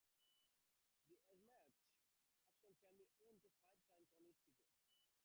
The "eZmatch" option can be won up to five times on each ticket.